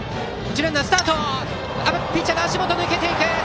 ピッチャーの足元抜けていく！